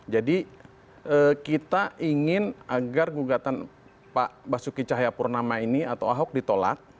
jadi kita ingin agar gugatan pak basuki cahayapurnama ini atau ahok ditolak